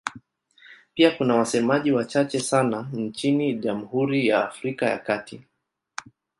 Pia kuna wasemaji wachache sana nchini Jamhuri ya Afrika ya Kati.